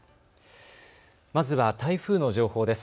まずは台風の情報です。